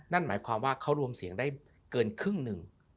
นั่นหมายความว่าเขารวมเสียงได้เกินครึ่งหนึ่ง